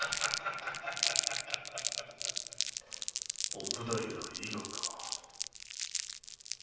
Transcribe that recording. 奥平伊賀か。